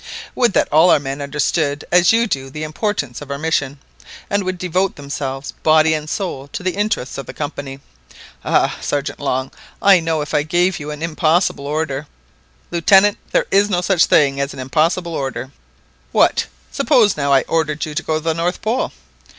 Would that all our men understood as you do the importance of our mission, and would devote themselves body and soul to the interests of the Company! Ah, Sergeant Long, I know if I gave you an impossible order— " "Lieutenant, there is no such thing as an impossible order." "What? Suppose now I ordered you to go to the North Pole?"